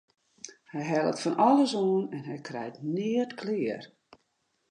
Hy hellet fan alles oan en hy krijt neat klear.